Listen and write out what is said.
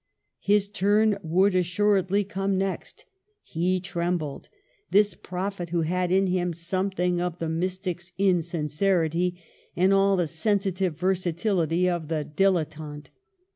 His turn would assuredly come next. He trembled, — this prophet who had in him something of the mystic's insincerity, and all the sensitive versa tility of the dilettante.